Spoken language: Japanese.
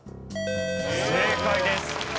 正解です。